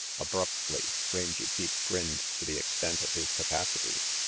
Abruptly Rangy Pete grinned to the extent of his capacity.